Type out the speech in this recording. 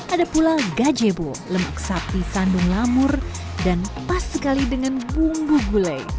ada pula gajebo lemak sapi sandung lamur dan pas sekali dengan bumbu gulai